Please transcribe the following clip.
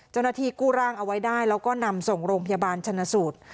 เจ้าหน้าที่กู้ร่างเอาไว้ได้แล้วก็นำส่งโรงพยาบาลชนสูตร